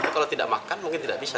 kalau tidak makan mungkin tidak bisa